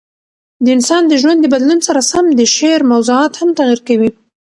د انسان د ژوند د بدلون سره سم د شعر موضوعات هم تغیر کوي.